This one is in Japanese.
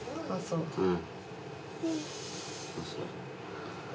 うん。